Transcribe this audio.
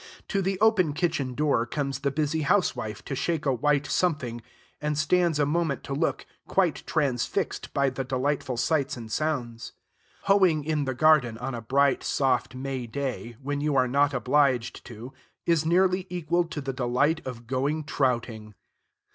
To the open kitchen door comes the busy housewife to shake a white something, and stands a moment to look, quite transfixed by the delightful sights and sounds. Hoeing in the garden on a bright, soft May day, when you are not obliged to, is nearly equal to the delight of going trouting.